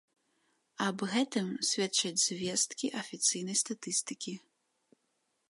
Аб гэтым сведчаць звесткі афіцыйнай статыстыкі.